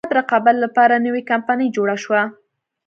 ازاد رقابت لپاره نوې کمپنۍ جوړه شوه.